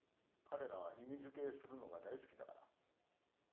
彼らは意味づけするのが大好きだから。